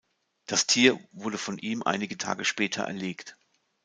Das Tier wurde von ihm einige Tage später erlegt.